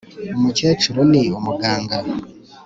Umukecuru ni umuganga